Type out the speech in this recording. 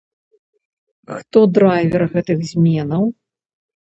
Хто драйвер гэтых зменаў?